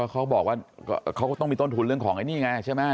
เขาบอกว่าเขาก็ต้องมีต้นทุนเรื่องของไอ้นี่ไงใช่ไหม